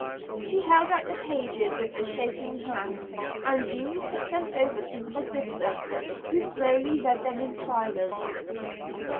She held out the pages with a shaking hand, and Jean took them over to her sister, who slowly read them in silence.